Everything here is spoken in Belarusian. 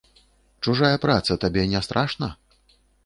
Чужая праца табе не страшна?